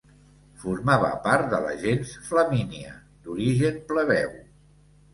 Formava part de la gens Flamínia, d'origen plebeu.